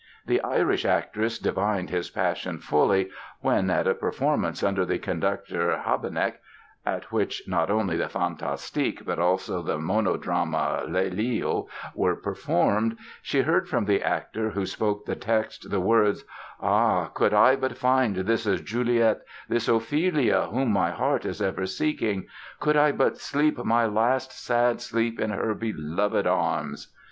The Irish actress divined his passion fully when, at a performance under the conductor Habeneck (at which not only the "Fantastique" but also the monodrama, "Lélio", were performed) she heard from the actor who spoke the text the words: "Ah, could I but find this Juliet, this Ophelia, whom my heart is ever seeking.... Could I but sleep my last sad sleep in her beloved arms"!